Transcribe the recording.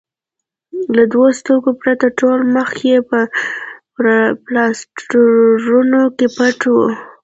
له دوو سترګو پرته ټول مخ یې په پلاسټرونو کې پټ و.